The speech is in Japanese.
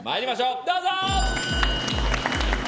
どうぞ！